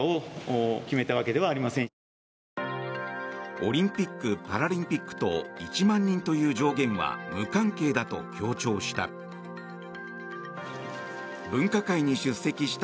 オリンピック・パラリンピックと１万人という上限は無関係だと強調した。